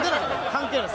関係ない。